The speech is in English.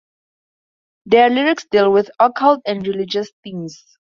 Their lyrics deal with occult and religious themes.